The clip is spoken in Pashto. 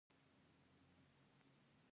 ستا د شعرونو حماسو هغه ښاغلی زلمی